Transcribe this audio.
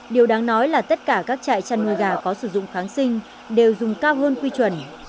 điều đáng nói là tất cả các trại chăn nuôi gà có sử dụng kháng sinh đều dùng cao hơn quy chuẩn